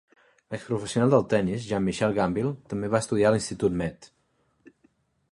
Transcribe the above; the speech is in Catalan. L'exprofessional del tenis Jan-Michael Gambill també va estudiar a l'Institut Mead.